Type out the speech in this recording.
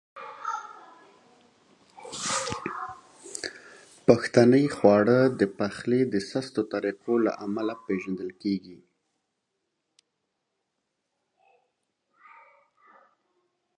پښتني خواړه د پخلي د سستو طریقو له امله پیژندل کیږي.